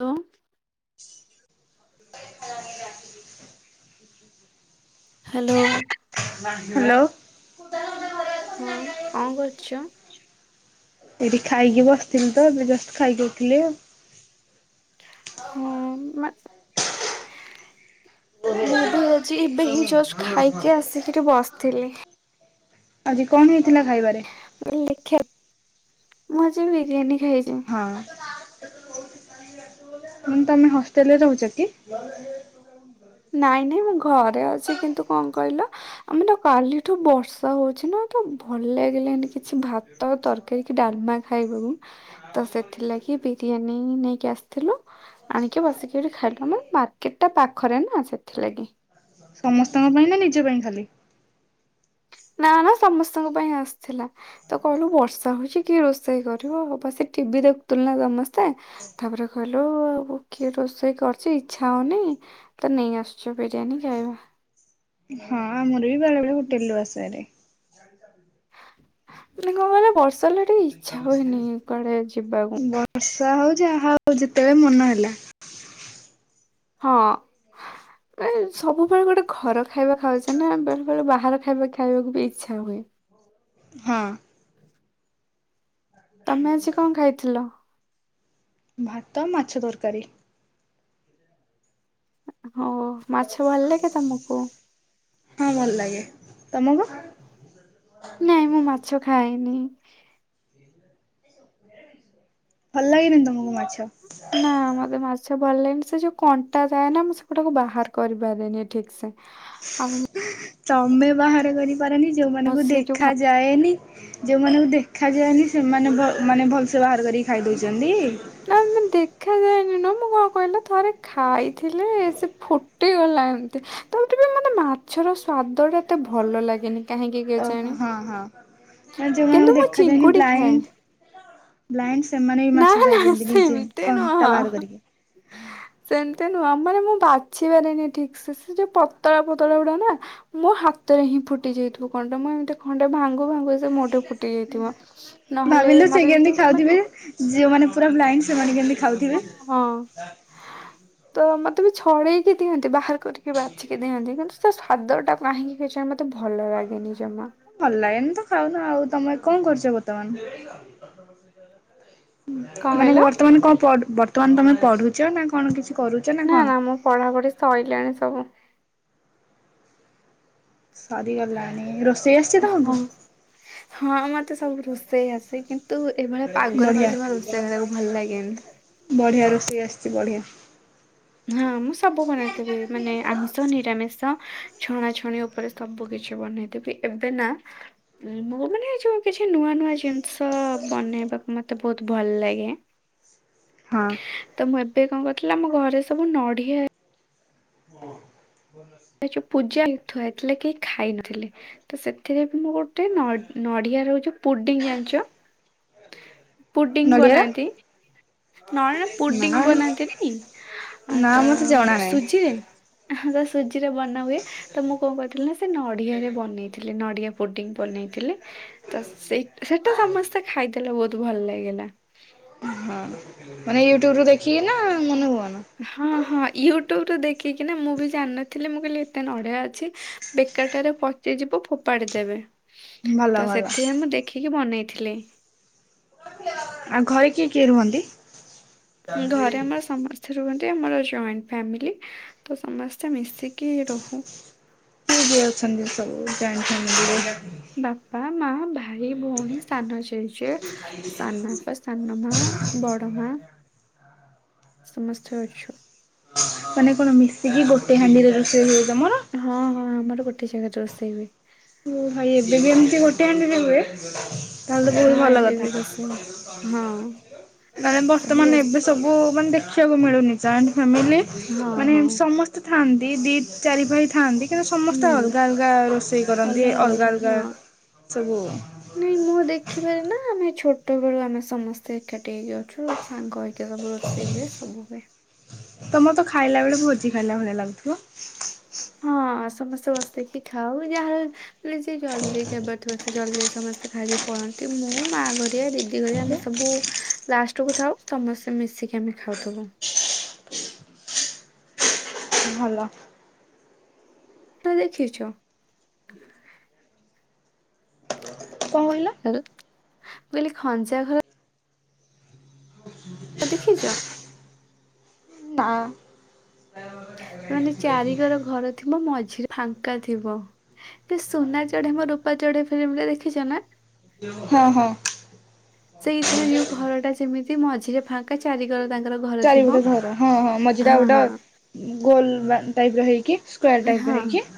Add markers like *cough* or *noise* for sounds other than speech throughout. ହ *inaudible* *unintelligible* hello. Hello. ହଁ କଣ କରୁଛ? ଏଇଠି ଖାଇକି ବସିଥିଲି ତ ଏବେ ଜଷ୍ଟ ଖାଇକି ଉଠିଲି ଆଉ। ହଁ ମୁଁ ବି ହେ ଯେ ଏବେ ହିଁ ଜଷ୍ଟ ଖାଇକି ଆସିକିରି ବସିଥିଲି। ଆଜି କଣ ହେଇଥିଲା ଖାଇବାରେ? ଲେଖ ମୁଁ ଆଜି ବିରିଆନୀ ଖାଇଛି। ହ ତମେ ହଷ୍ଟେଲରେ ରହୁଛ କି? ନାଇଁ ନାଇଁ ମୁଁ ଘରେ ଅଛି କିନ୍ତୁ କଣ କହିଲ ଆମେ ତ କାଲିଠୁ ବର୍ଷା ହଉଚି ନା ତ ଭଲ ଲାଗିଲାନି କିଛି ଭା ତ ତରକାରୀ କି ଡାଲମା ଖାଇବାକୁ ତ ସେଥିଲାଗି ବିରିୟାନୀ ନେଇକି ଆସି ଥିଲୁ ଆଣିକି ବସିକି ଏଠି ଖାଇଲୁ ଆମର ମାର୍କେଟ ଟା ପାଖରେ ନା ସେଥିଲାଗି। ସମସ୍ତଙ୍କ ପାଇଁ ନା ନିଜ ପାଇଁ ଖାଲି? ନା ନା ସମସ୍ତଙ୍କ ପାଇଁ ଆସିଥିଲା। ତ କହିଲୁ ବର୍ଷା ହଉଚି କିଏ ରୋଷେଇ କରିବ ବସିକି ଟିଭି ଦେଖୁଥିଲୁ ନା ସମ ସ୍ତେ ତାପରେ କହିଲୁ କିଏ ରୋଷେଇ କର ଚି ଇଚ୍ଛା ହଉନି ତ ନେଇ ଆସୁଚି ବିରିୟାନୀ ଖାଇବା। ହଁ ଆମର ବି ବେଳେ ବେଳେ ହୋଟେଲ ରୁ ଆସେ ହାରି। ମେ କଣ କହିଲ ବର୍ଷା ହେଲା ଟିକେ ଇଚ୍ଛା ହୁଏନି କୁଆଡେ ଯିବାକୁ। ବର୍ଷା ହଉ ଜାହା ହଉ ଯେତେବେଳେ ମନ ହେଲା ହଁ। ସବୁବେଳେ ଗୋଟେ ଘର ଖାଇବା ଖାଉଚେ ନା ବେଳେ ବେଳେ ବାହାର ଖାଇବା ଖାଇବାକୁ ବି ଇଚ୍ଛା ହୁଏ। ହଁ। ତମେ ଆଜି କଣ ଖାଇଥିଲ? ଭାତ ମାଛ ତରକାରୀ। ହୋ ହଁ ଭଲ ଲାଗେ। ତମକୁ? ନାଇଁ ମୁଁ ମାଛ ଖାଏନି। ଭଲ ଲାଗେନି ତମକୁ ମାଛ? ନା ମତେ ମାଛ ଭଲ ଲାଗେନି ସେ ଯୋଉ କଣ୍ଟା ଥାଏ ନା ମୁଁ ସେଗୁଡାକୁ ବାହାର କରିପାରେନି ଠିକ ସେ। ଆଉ ତମେ ବାହାର କରିପାରନି ମୁଁ ଯୋଉମାନଙ୍କୁ ସେ ଯୋଉ ଖା ଦେଖା ଯାଏନି ଯୋଉମାନଙ୍କୁ ଦେଖାଯାଏନି ସେମାନେ ଭ ମାନେ ଭଲ ସେ ବାହାର କରିକି ଖାଇ ଦଉଚନ୍ତି। ନା ମାନେ ଦେଖାଯାଏନି ନୁଅ ମୁଁ କଣ କହିଲିନା ଥରେ ଖାଇଥିଲି ସେ ଫୁଟିଗଲା ଏମତି *unintelligible* ମତେ ମାଛର ସ୍ଵାଦ ଟା ଏତେ ଭଲ ଲାଗେନି। କାହିଁକି ଓହୋ କେଜାଣି। ହଁ ହଁ ମ ଯୋଉମାନଙ୍କୁ କିନ୍ତୁ ମୁଁ ଦେଖାଯାଏନି ଚିଙ୍ଗୁଡି ଖାଏ। ବ୍ଲାଇଣ୍ଡ ବ୍ଲାଇଣ୍ଡ ସେମାନେ ବି ନା ମାଛ ନା ଖାଇ ଦିଅନ୍ତି ନିଜେ ସେମିତି କଣ୍ଟା ନୁହଁ ବାହାର କରିକି। *inaudible* ସେମିତି ନୁହଁ, ମାନେ ମୁଁ ବାଛି ପାରିନି ଠିକସେ। ସେ ଯୋଉ ପତଳା ପତଳା ଗୁଡା ନା ମୋ ହାତରେହିଁ ଫୁଟି ଯାଇଥିବ କଣ୍ଟା। ମୁଁ ଏମିତି ଖଣ୍ଡେ ଭାଙ୍ଗୁଭାଙ୍ଗୁ ସେ ମୋଠି ଫୁଟି ଯାଇଥିବ। ନହେଲେ ଭାବିଲୁ ସେ ମତେ ଯଦି କେମିତି ମାନେ ଖାଉଥିବେ? ଯିଉମାନେ ପୁରା ବ୍ଲାଇନ୍ ସେମାନେ କେମିତି ହଁ ଖାଉଥିବେ? ହଁ ତ ମତେ ବି ଛଡେଇକି ଦିଅନ୍ତି ବାହାର କରିକି ବାଛିିକି ଦିଅନ୍ତି। କିନ୍ତୁ ତା ସ୍ୱାଦଟା କାହିଁକି କେଜାଣି ମତେ ଭଲ ଲାଗେନି ଜମା। ଭଲ ଲାଗେନି ତ ଖାଉନ ଆଉ। ତମେ କଣ କରୁଚ ବର୍ତ୍ତମାନ? କଣ ମାନେ କହିଲ ବର୍ତ୍ତମାନ କଣ ପଡ ବର୍ତ୍ତମାନ ତମେ ପଢୁଚ ନା କଣ କିଛି କରୁ? ନା ନା ମୁଁ ପଢାପଢି ସଇଲାଣି ସବୁ। ସାରିଗଲାଣି ରୋସ ତମକୁ ହଁ ହଁ ମତେ ସବୁ ରୋଷେଇ ଆସେ। କିନ୍ତୁ ଏଭଳିଆ ପାଗରେ ବଢିଆ। ମତେ ଯମା ରୋଷେଇ କରିବାକୁ ଭଲ ଲାଗେନି। ବଢ଼ିଆ ରୋଷେଇ ଆସିଚି ବଢ଼ିଆ। ହଁ ମୁଁ ସବୁ ବନେଇଥିବି। ମାନେ ଆମିଷ ନିରାମିଷ ଛଣାଛଣି ଉପରେ ସବୁକିଛି ବନେଇଥିବି। ଏବେ ନା ମୁଁ ମାନେ ଯୋଉ କିଛି ନୂଆନୂଆ ଜିନ ଷ ବନେଇବାକୁ ମତେ ବହୁତ ଭଲ ଲାଗେ। ହଁ। ତ ମୁଁ ଏବେ କଣ କରିଥିଲି ଆମ ଘରେ ସବୁ ନଢ଼ିଆ *unintelligible* ସେ ଯୋଉ ପୂଜା *unintelligible* ଥୁଆହେଇଥିଲା କି ଖାଇନଥିଲେ। ତ ସେ ଏଥିରେ ବି ମୁଁ ଗୋଟେ ନ ନଡିଆ ରହୁଚି ପୁଡିଙ୍ଗ ଜାଣିଚ? ପୁଡିଙ୍ଗ ନଡିଆର ବନାନ୍ତି। ନରେ ନା ପୁଡିଙ୍ଗ ବନାନ୍ତିନି, ଆ ନା ତ ମତେ ଜଣା ନାହିଁ। ସୁଜିରେ। ତ ସୁଜିରେ ବନାହୁଏ, ତ ମୁଁ କଁ କରିଥିଲି ନା ସେ ନଡିଆରେ ବନେଇଥିଲି। ନଡିଆ ପୋଟିଙ୍ଗ ବନେଇଥିଲେ ତ ସେଇ ସେଟା ସମସ୍ତେ ଖାଇଦେଲେ ବହୁତ ଭଲ ଲାଗିଲା। ହଁ, ମାନେ ୟୁଟ୍ୟୁବରୁ ଦେଖିକି ନା ମନ କୁ ମନ। ହଁ ହଁ ୟୁଟ୍ୟୁବରୁ ଦେଖିକିନା, ମୁଁ ବି ଜାନନଥିଲି ମୁଁ କହିଲି ଏତେ ନଢଆ ଅଛି। ବେକାଟାରେ ପଚିଯିବ ଫୋପାଡି ଦେବେ। ଭଲ ତ ଭଲ ସେଥିପାଇଁ ମୁଁ ଦେଖିକି ବନେଇଥିଲି। ଆ ଆଉ ଘରେ କିଏ କିଏ ରୁହନ୍ତି? ଘରେ ଆମର ସମସ୍ତେ ରୁହନ୍ତି, ଆମର ଜଏଣ୍ଟ ଫ୍ୟାମିଲି ତ ସମସ୍ତେ ମିଶି କି ରହୁ। କିଏ କିଏ ଅଛନ୍ତି ସବୁ ଜଏନ୍ ଫ୍ୟାମିଲୀ ରେ? ବାପା, ମା, ଭାଇ ଭଉଣୀ, ସାନଜେଜେ। ସାନଆପା, ସାନ ମା, ବଡ ମା ସମସ୍ତେ ଅଛୁ। ମାନେ କଣ ମିଶିକି ଗୋଟେ ହାଣ୍ଡିରେ ରୋଷେଇ ହୁଏ ତମର। ହଁ ହଁ ଆମର ଗୋଟେ ଜାଗାରେ ରୋଷେଇ ହୁଏ। ଓ ଭାଇ ଏବେବି ଏମିତି ଗୋଟେ ହାଣ୍ଡିରେ ହୁଏ। ତାହେଲେ ହଁ ବହୁତ ଭଲ ଏବେ କଥା, ବି ରୋଷେଇ ହଁ ତାଲେ ସବୁ ବର୍ତ୍ତମାନ ରୋଷେ ଏବେ ସବୁ ମାନେ ଦେଖିଆକୁ ମିଳୁନି ଜଏଣ୍ଟ ଫ୍ୟାମିଲି ହଁ ମାନେ ହଁ ସମସ୍ତେ ଥାନ୍ତି ଦି ଚାରି ଭାଇ ଥାଆନ୍ତି, କିନ୍ତୁ ସମସ୍ତେ ହୁଁ। ଅଲଗା ଅଲଗା ରୋଷେଇ ରନ୍ତି, ଅଲଗା ଅଲଗା ସବୁ। ନାଇଁ ମୁଁ ମୁଁ ଦେଖିପାରେନା ଆମେ ଛୋଟ ବେଳୁ ଆମେ ସମସ୍ତେ ଏକାଠି ହେଇକି ଅଛୁ, ସାଙ୍ଗ ଏକା ସବୁ ରୋଷେଇ ହୁଏ। ସବୁ ହୁଏ। ତମରତ ଖାଇଲାବେଳେ ଭୋଜିଖାଇଲା ଭଳିଆ ଲାଗୁଥିବ। ହଁ ସମସ୍ତେ ବସିକି ଖାଉ, ଯାହାର ମାନେ ଯିଏ ଜଲଦି ଖାଇବାର ଥିବ। ସେ ଜଲଦି ସମସ୍ତେ ଖାଇକି ପଳନ୍ତି, ମୁଁ ମା ଘରିଆ ଦିଦି ଘରିଆ ଆମେ ସବୁ ଲାଷ୍ଟକୁ ଥାଉ, ସମସ୍ତେ ମିଶିକି ଆମେ ଖାଉଥିବୁ। ଭଲ। *unintelligible* ଦେଖିଚ? କଣ କହିଲ ଆଉ ମୁଁ କଲି ଖଞ୍ଜା ଘର ତ ଦେଖିଚ? ନା। ତାମାନେ ଚାରି କର ଘର ଥିବ ମଝିରେ ଫାଙ୍କା ଥିବ। ସୁନା ଚଢେଇ ମୋ ରୂପା ଚଢେଇ ଫିଲ୍ମ ଟା ଦେଖିଚ ନା? ହଁ ହଁ। ସେଇଥିରେ ଯୋଉ ଘରଟା ଯେମିତି ମଝିରେ ଫାଙ୍କ ଚାରିକର ତାଙ୍କର ଘର ଚାରିପଟେ ଥିବ, ଘର ହଁ ମଝିଟା ହଁ ଗୋଟେ ହଁ। ଗୋଲ ଟାଇପ ର ହେଇକି ସ୍କ୍ୱାର ଉଁ, ଟାଇପ ହଁ ର ହେଇକି।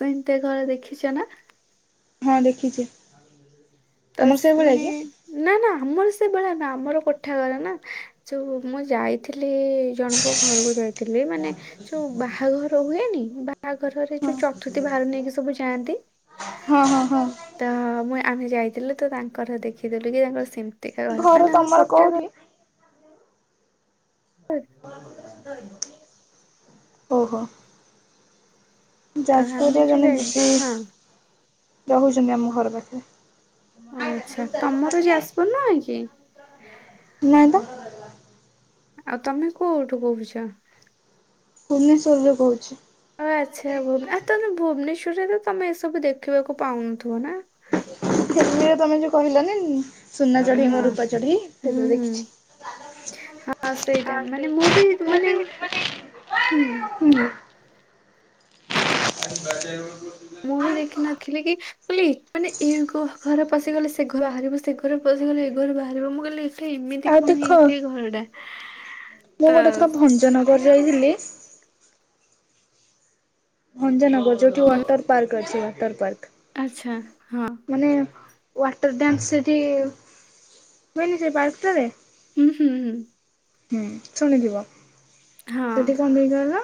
ସେମତି ଘର ଦେଖିଚ ନା? ହଁ ଦେଖିଚି। ତସ୍ ମାନେ ନା ନା ଆମର ସେଭଳିଆ ନା ଆମର କୋଠାଘର ନା, ଯୋଉ ମୁଁ ଯାଇଥିଲି ଜଣକ ଘରକୁ ଯାଇଥିଲି ମାନେ ଯୋଉ ବାହାଘର ହୁଏନି ବାହାଘରରେ ହଁ ଯୋଉ ଚତୁର୍ଥୀ ଭାର ନେଇକି ସବୁ ଯାଆନ୍ତି। ହଁ ହଁ ହଁ। ତ ମୁଁ ଆମେ ଯାଇଥିଲୁ ତ ତାଙ୍କର ଦେଖିଦେଲୁ କି ତାଙ୍କର ସେମିତିକା ଘର ମାନେ ତାଙ୍କର ତମର କୋଠା ଘ କୋଉଠି? *unintelligible* ଓ ହୋ। ତ ଆମେ ଯାଜପୁରରେ ଯୋଉ ଜଣେ ଯାଇ ଦିଦି ହଁ ରହୁଛନ୍ତି ଆମ ଘର ପାଖରେ। ଓ ଆଛା ତମର ଯାଜପୁର ନୁହଁ କି? ନାଇଁ ତ। ଆଉ ତମେ କୋଉଠୁ କହୁଛ? ଭୁବନେଶ୍ବରରୁ କହୁଛି। ଓ ଆଛା ଭୁବନେ ଆ ତମେ ଭୁବନେଶ୍ୱରରେ ତମେ ଏସବୁ ଦେଖିବାକୁ ପାଉନଥିବ ନାଁ? ସେଦିନ ତମେ ଯୋଉ କହିଲନି ସୁନା ଚଢ଼େଇ ହଁ ମୋ ରୂପା ଚଢ଼େଇ ହୁଁ ସେଇଥିରେ ହୁଁ ଦେଖିଛି। ହଁ ସେଇଟା ମାନେ ମୁଁ ବି ମାନେ ହୁଁ *unintelligible* *unintelligible* ଗାଧେଇବୁ। ମୁଁ ବି ଦେଖିନଥିଲି କି ମୁଁ କହିଲି ମାନେ ଏ ଘ ଘରେ ପଶିଗଲେ ସେ ଘର ବାହାରିବ ସେ ଘରେ ପଶିଗଲେ ଏ ଘରୁ ବାହାରିବ ମୁଁ କହିଲି ଏଠି ଏମିତି ଆଉ କଣ ଦେଖ ଇଏ ସେଇ ଘରଟା। ମୁଁ ତ ଗୋଟେ ଥର ଭଞ୍ଜନଗର ଯାଇଥିଲି ଭଞ୍ଜନଗର ଯୋଉଠି ୱାଟର ପାର୍କ ଅଛି ୱାଟର ପାର୍କ। ଆଛା ହଁ। ମାନେ ୱାଟର ଡ୍ୟାନ୍ସ ସେଠି ହୁଏନି ସେ ପାର୍କଟାରେ? ହୁଁ ହୁଁ ହୁଁ। ହୁଁ ଶୁଣିଥିବ ହଁ ସେଠି କଣ ନେଇଗଲା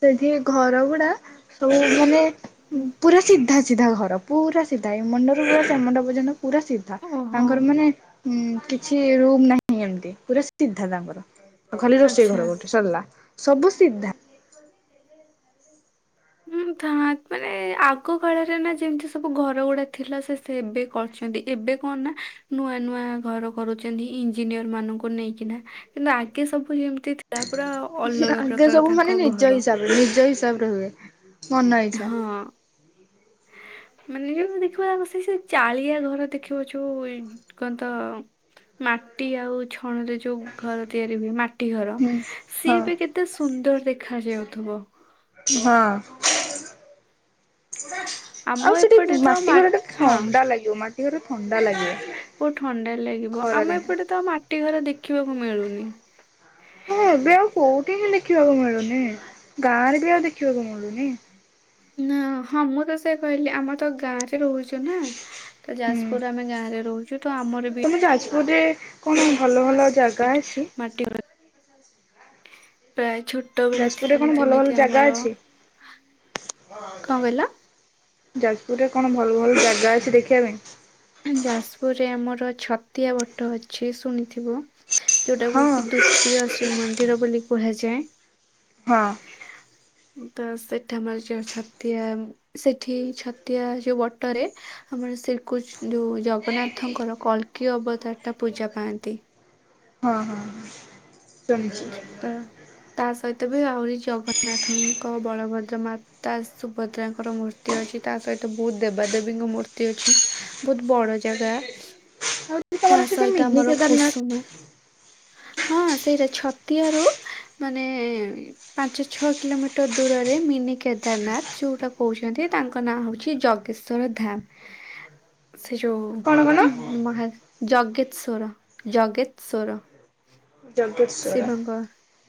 ସେଠି ଘର ଗୁଡା ସବୁ ମାନେ ଉଁ ହୁଁ, ପୁରା ସିଧା ସିଧା ଘର। ପୁରା ସିଧା ଏ ମଣ୍ଡରୁ ପୁରା ସେ ମୁଣ୍ଡ ପର୍ଯ୍ୟନ୍ତ ପୁରା ସିଧା ଓହୋ ତାଙ୍କର ମାନେ ହୁଁ କିଛି ରୁମ୍ ନାହିଁ ଏମତି ପୁରା ସିଧା ତାଙ୍କର। ଆଉ ଖାଲି ରୋଷେଇ ଆଚ୍ଛା ଘର ଗୋଟେ ସରିଲା ସବୁ ସିଧା। ହୁଁ ଥା ମାନେ ଆଗ କାଳରେ ନା ଯେମିତି ସବୁ ଘର ଗୁଡା ଥିଲା ସେ ସେ ଏବେ କରଛନ୍ତି ଏବେ କଣ ନା ନୂଆ ନୂଆ ଘର କରୁଛନ୍ତି ଇଞ୍ଜିନିୟର ମାନଙ୍କୁ ନେଇକିନା। ନା ଆଗେ ସବୁ ଯେମତି ଥି ଆଗେ ସବୁ ମାନେ ନିଜ ଘର ହିସାବରେ ନିଜ ହିସା ସାବରେ ହୁଏ ମନ ଇଚ୍ଛା। ହଁ ମାନେ ଯୋଉ ମାନେ ଦେଖିବା ବସିକି ସେ ଚାଳିଆ ଘର ଦେଖିବ ଯୋଉ କଣ ତ ମାଟି ଆଉ ଛଣରେ ଯୋ ଯୋଉ ଘର ତିଆରି ହୁଏ ମାଟି ଘର ହୁଁ ହଁ ସିଏ ବି କେତେ ସୁନ୍ଦର ଦେଖାଯାଉଥିବ। ହଁ। ଆମ ଆଉ ସେଠି ଏପଟେ ତ ମାଟି ମା ଘରଟା ହଁ ଥଣ୍ଡା ଲାଗିବ ମାଟି ଘରେ ଥଣ୍ଡା ଲାଗେ। ବହୁତ ଥଣ୍ଡା ଲାଗିବ ଆମେ ଏପଟେ ତ ମାଟି ଘର ଦେଖିବାକୁ ମିଳୁନି। ହଁ ଏବେ ଆଉ କୋଉଠି ହିଁ ଦେଖିବାକୁ ମିଳୁନି ଗାଁ ରେ ବି ଆଉ ଦେଖିବାକୁ ମିଳୁନି। ନାଁ ହଁ ହଁ ମୁଁ ତ ସେଇଆ କହିଲି ଆମର ତ ଗାଁରେ ରହୁଛୁ ନା। ତ ଯାଜପୁରରେ ଆମେ ଗାଁରେ ରହୁଛୁ ତ ଆମର ବି ଆମେ ଯାଜପୁରରେ କଣ ଭଲ ଭଲ ଜା ମାଟି ମାଟି *unintelligible* ପ୍ରାୟ ଛୋ ଟବେଳେ ଯାଜପୁରରେ କଣ ଥିଲି ଭଲ ଭଲ ଯେମିତି ଜାଗା ଆମର, ଅଛି? କଣ କହିଲ? ଯାଜପୁରରେ କଣ ଭଲ ଭଲ ଜାଗା ଅଛି ଦେଖିବା ପାଇଁ? ଯାଜପୁରରେ ଆମର ଛତିଆ ବଟ ଅଛି ଶୁଣିଥିବ। ଯୋଉଟାକୁ ହଁ କି ଦ୍ଵୁତୀୟ ଶ୍ରୀମନ୍ଦିର ବୋଲି କୁହାଯାଏ। ହଁ। ହ *unintelligible* ଉଁ, ତ ସେଠା ଆମର ଯୋଉ ଛତିଆ ସେଠି ଛତିଆ ଯୋଉ ବଟରେ ଆମର ଶ୍ରୀକୃଷ୍ ଯୋଉ ଜଗନ୍ନାଥଙ୍କର କଳ୍କି ଅବତାର ଟା ପୂଜା ପାଆନ୍ତି। ହଁ, ହଁ ଶୁଣିଛି। ଅ, ତା ସହିତ ବି ଆହୁରି ଜଗନ୍ନାଥଙ୍କ ବଳଭଦ୍ର ମା ତା ସୁଭଦ୍ରାଙ୍କର ମୂର୍ତ୍ତି ଅଛି, ତା ସହିତ ବହୁତ ଦେବାଦେବୀଙ୍କ ମୂର୍ତ୍ତି ଅଛି। ବହୁତ ବଡ ଜାଗା। ଆଉ ତା ତମର ସେଠି ସହିତ ମିନି ଆମର କେଦାରନାଥ କୁସୁମା ହଁ ସେଇଟା ଛତିଆ ରୁ ମାନେ ଉଁ, ପାଞ୍ଚ ଛଅ କିଲୋମିଟର ଦୂରରେ ମିନି କେଦାରନାଥ ଯୋଉଟା କହୁଛନ୍ତି, ତାଙ୍କ ନାଁ ହଉଛି ଜ ଗେଶର ଧାମ୍, ସେ ଯୋଉ କଣ କଣ ଉଁ, ମହା ଜଗେତଶ୍ଵର, ଜଗେତଶ୍ବର। ଜଗେଶ୍ଵର ଶିବଙ୍କ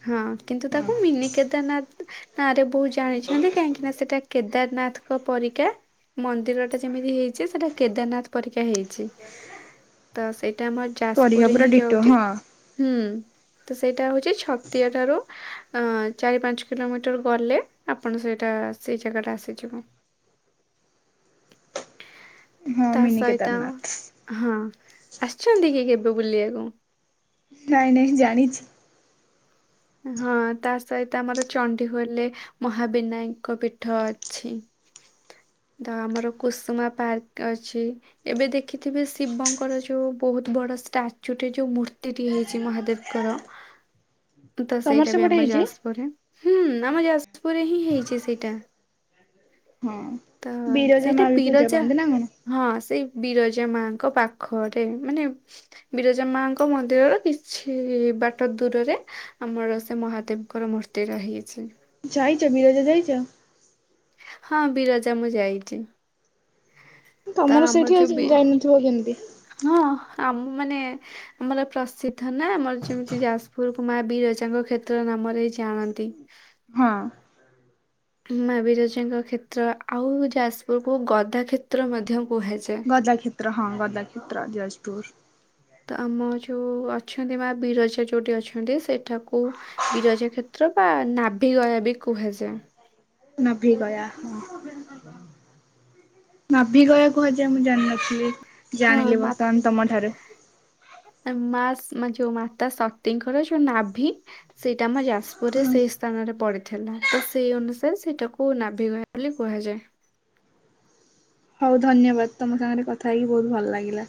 ହଁ କିନ୍ତୁ ହଁ ତାକୁ ମିନିି କେଦାରନାଥ ନାଁ ରେ ବହୁତ ଜାଣିଛନ୍ତି କାହିଁକି ନା ସେଟା କେଦାରନାଥଙ୍କ ପରିକା ମନ୍ଦିର ଟା ଯେମିତି ହେଇଛି ସେଟା କେଦାରନାଥ ପରିକା ହେଇଛି। ତ ସେଇଟା ଆମର ପରିକା ଯାଜପୁରରେ ପୁରା ହିଁ ଡିଟୋ ଯାଉଚି, ହଁ ହୁଁ,। ତ ସେଇଟା ହଉଛି ଛତିଆ ଠାରୁ ଅଁ, ଚାରି ପାଞ୍ଚ କିଲୋମିଟର ଗଲେ ଆପଣ ସେଇଟା ସେଇ ଜାଗା ଟା ଆସିଯିବ। ହଁ। ତା ମିନି ସହିତ, କେଦାରନାଥ ହଁ ଆସିଛନ୍ତି କି କେବେ ବୁଲିବାକୁ? ନାଇଁ ନାଇଁ ଜାଣିଛି। ଏ ହଁ ତା ସହିତ ଆମର ଚଣ୍ଡୀଖୋଲେ ମହାବିନାୟଙ୍କ ପୀଠ ଅଛି। ଦା ଆମର କୁସୁମା ପାର୍କ ଅଛି। ଏବେ ଦେଖିଥିବେ ଶିବଙ୍କର ଯୋଉ ବହୁତ ବଡ ଷ୍ଟାଚୁ ଟେ ଯୋଉ ମୂର୍ତ୍ତିଟି ହେଇଛି ମହାଦେବ କର। ତ ତମର ସେଇଟା ବି ସେପଟେ ଆମ ହେଇଛି? ଯାଜପୁରରେ, ହୁଁ ଆମ, ଯାଜପୁରରେ ହିଁ ହେଇଛି ସେଇଟା। ହଁ ତ ବିରଜା ସେଇଟା ମା ବି ପୂଜା ବିରଜା ପାଆନ୍ତି ନା କଣ? ହଁ ସେଇ ବିରଜା ମାଙ୍କ ପାଖରେ ମାନେ ବିରଜା ମାଙ୍କ ମନ୍ଦିରର କିଛି ବାଟ ଦୂରରେ ଆମର ସେ ମହାଦେବଙ୍କର ମୂର୍ତ୍ତି ରହିଅଛି। ଯାଇଚ ବିରଜା ଯାଇଚ? ହଁ ବିରଜା ମୁଁ ଯାଇଚି। ତୋମର ସେଇଠି ଯୋଉ ଅଛି ବି ଯାଇନଥିବ କେମିତି। ହଁ ଆମ ମାନେ ଆମର ପ୍ରସିଦ୍ଧ ନା ଆମର ଯେମିତି ଯାଜପୁରକୁ ମା ବିରଜାଙ୍କ କ୍ଷେତ୍ର ନାମରେ ଜାଣନ୍ତି। ହଁ। ମା ବିରଜାଙ୍କ କ୍ଷେତ୍ର ଆ, ଆଉ ଯାଜପୁର କୁ ଗଦା କ୍ଷେତ୍ର ମଧ୍ୟ କୁହାଯା ଗଜା କ୍ଷେତ୍ର ହଁ ଗଦା କ୍ଷେତ୍ର ଯାଜପୁର। ତ ଆମ ଯୋଉଁ ଅଛନ୍ତି ମା ବିରଜା ଯୋଉଠି ଅଛନ୍ତି ସେଠାକୁ ବିରଜା କ୍ଷେତ୍ର ବା ନାଭି ଗୟା ବି କୁହାଯାଏ। ନା ଭଭି ଗୟା ହ ନଭିଗୟା କୁହାଯାଏ ମୁଁ ଜାଣିନଥିଲି ହଁ ଜାଣିଲି ମା ବର୍ତ୍ତମାନ ତମ ଠାରୁ। ମା ଯୋଉ ମାତା ସତୀଙ୍କର ଯୋଉ ନାଭି ସେଇଟା ଆମ ଯାଜପୁରରେ ହଁ। ସେଇ ସ୍ଥାନରେ ପଡିଥିଲା ତ ସେଇ ଅନୁସାରେ ସେଇଟାକୁ ନାଭିଗ ବୋଲି କୁହାଯାଏ। ହଉ ଧନ୍ୟବାଦ ତମ ସାଙ୍ଗରେ କଥା ହେଇକି ବହୁତ ଭଲ ଲାଗିଲା।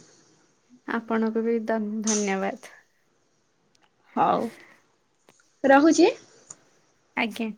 ଆପଣଙ୍କୁ ବି ଦ ଧନ୍ୟବାଦ। ହଉ ରହୁଛି। ଆଜ୍ଞା।